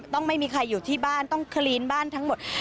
ไม่มีใครอยู่ที่บ้านต้องคลีนบ้านทั้งหมด